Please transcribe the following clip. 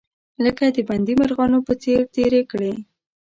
لکه د بندي مرغانو په څیر تیرې کړې.